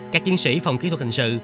các chiến sĩ phòng kỹ thuật hình sự